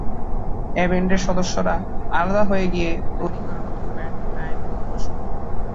এ ব্যান্ডের সদস্যরা আলাদা হয়ে গিয়ে তৈরি করে নতুন ব্যান্ড 'টাইম গো মোশন'।